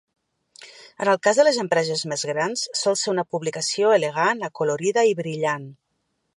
En el cas de les empreses més grans, sol ser una publicació elegant, acolorida i brillant.